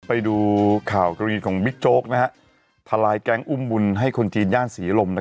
ไปดูข่าวกรุงงี้ของมิคโจ๊กนะฮะทะลายแกล้งอุ้มบุญให้คนจีนย่านสีลมนะครับ